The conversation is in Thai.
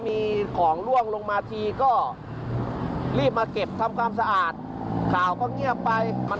มันเป็นการแก้ปัญหา